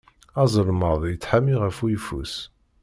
Azelmaḍ yettḥami ɣef uyeffus.